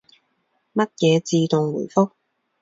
乜嘢自動回覆？